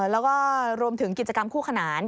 แล้วก็รวมถึงกิจกรรมคู่ขนาน